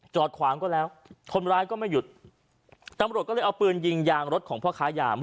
ขวางก็แล้วคนร้ายก็ไม่หยุดตำรวจก็เลยเอาปืนยิงยางรถของพ่อค้ายาม